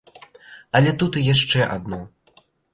Але тут і яшчэ адно.